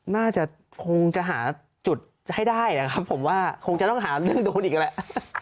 น่าจะคงจะหาจุดให้ได้นะครับผมว่าคงจะต้องหาเรื่องโดนอีกแหละ